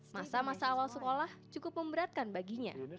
masa masa awal sekolah cukup memberatkan baginya